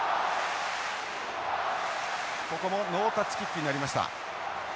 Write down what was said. ここもノータッチキックになりました。